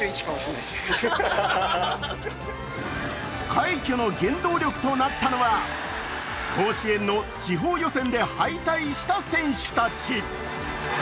快挙の原動力となったのは甲子園の地方予選で敗退した選手たち。